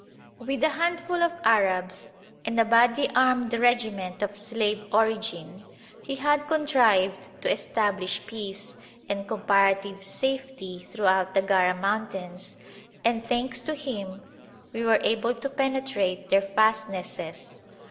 With a handful of Arabs and a badly armed regiment of slave origin he had contrived to establish peace and comparative safety throughout the Gara mountains and, thanks to him, we were able to penetrate their fastnesses.